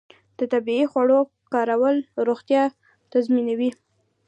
د طبیعي خوړو کارول روغتیا تضمینوي.